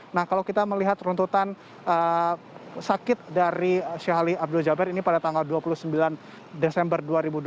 nah kalau kita melihat runtutan sakit dari sheikh ali abdul jabar ini pada tanggal dua puluh sembilan desember dua ribu dua puluh